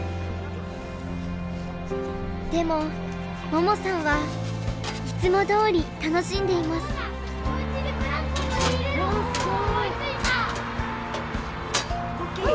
でも桃さんはいつもどおり楽しんでいます。ＯＫ！